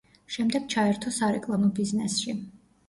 შემდეგ ჩაერთო სარეკლამო ბიზნესში.